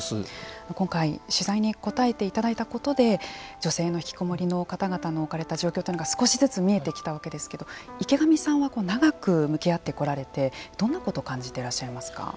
今回、取材に答えていただいたことで女性のひきこもりの方々の置かれた状況というのが少しずつ見えてきたわけですけど池上さんは、長く向き合ってこられて、どんなことを感じていらっしゃいますか。